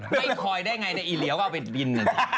ไม่คอยได้ไงแต่ไอเหลี่ยวว่าเป็นบิล